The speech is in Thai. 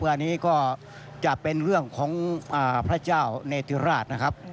อันนี้ก็จะเป็นเรื่องของพระเจ้าเนติราชนะครับ